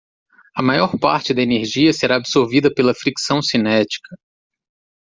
A maior parte da energia será absorvida pela fricção cinética.